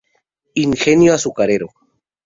Ingenio azucarero.